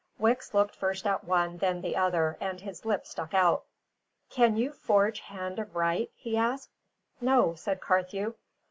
Wicks looked first at one, then at the other, and his lip stuck out. "Can you forge hand of write?" he asked. "No," said Carthew.